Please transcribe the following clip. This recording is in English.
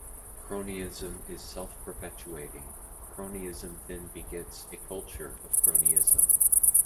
Cronyism is self-perpetuating; cronyism then begets a culture of cronyism.